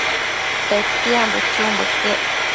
Petiambo chumbo iquec